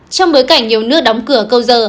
trong bối cảnh nhiều nước đóng cửa câu giờ